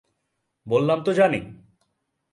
বললাম তো জানি!